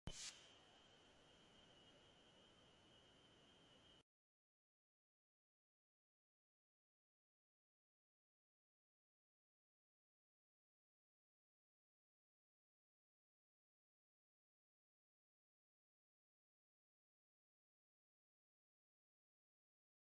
پاش چەند ڕۆژ لە ماڵەوە بووم، گوتیان میوان هاتن